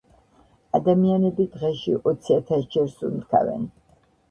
ადამიანები დღეში ოციათასჯერ სუნთქავენ.